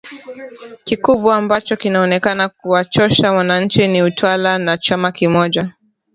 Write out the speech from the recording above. kikubwa ambacho kinaonekana kuwachosha wananchi ni utawala wa chama kimoja